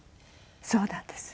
そうなんです。